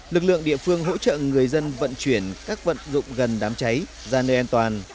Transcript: lực lượng địa phương hỗ trợ người dân vận chuyển các vận dụng gần đám cháy ra nơi an toàn